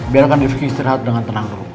biarkan rizky istirahat dengan tenang dulu